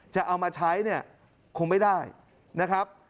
จะเอามาใช้คงไม่ได้นะครับ